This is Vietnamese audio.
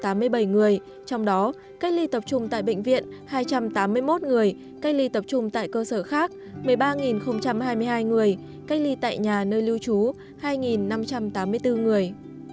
trong đó cách ly tập trung tại bệnh viện hai trăm tám mươi một người cách ly tập trung tại cơ sở khác một mươi ba hai mươi hai người cách ly tại nhà nơi lưu trú hai năm trăm tám mươi bốn người